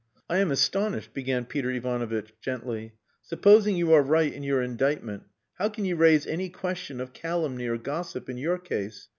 "I am astonished," began Peter Ivanovitch gently. "Supposing you are right in your indictment, how can you raise any question of calumny or gossip, in your case?